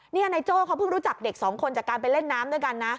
นี่นายโจ้เขาเพิ่งรู้จักเด็กสองคนจากการไปเล่นน้ำด้วยกันนะ